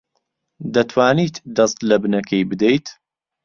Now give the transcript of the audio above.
دەتوانیت دەست لە بنەکەی بدەیت؟